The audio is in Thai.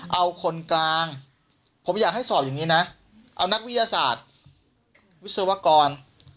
เอาคนกลางผมอยากให้สอบอย่างนี้นะเอานักวิทยาศาสตร์วิศวกร